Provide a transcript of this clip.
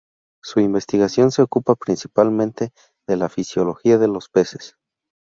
Su investigación se ocupa principalmente de la fisiología de los peces.